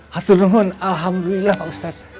haturungun alhamdulillah pak ustadz